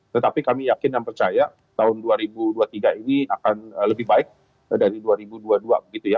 tetapi kami yakin dan percaya tahun dua ribu dua puluh tiga ini akan lebih baik dari dua ribu dua puluh dua begitu ya